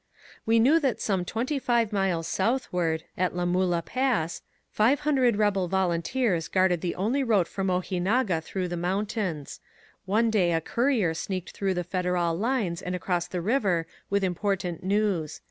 We knew that some twenty five miles southward, at La Mula Pass, five hundred rebel volunteers guarded the only road from Ojinaga through the mountains. One day a courier sneaked through the Federal lines and across the river with important news.